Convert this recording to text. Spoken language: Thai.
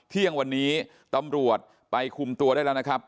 เที่ยงวันนี้ตำรวจไปคุมตัวได้แล้วนะครับ